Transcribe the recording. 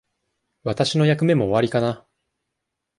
私の役目も終わりかな。